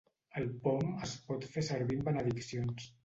El pom es pot fer servir en benediccions.